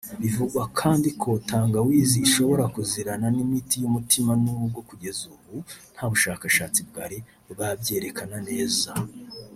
Bivugwa kandi ko tangawizi ishobora kuzirana n’imiti y’umutima nubwo kugeza ubu nta bushakashatsi bwari bwabyerekana neza